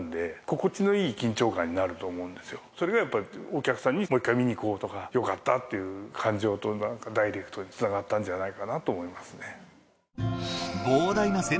それがやっぱりお客さんに「もう一回見に行こう」とか「よかった」っていう感情ダイレクトにつながったんじゃないかなと思いますね。